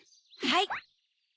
はい。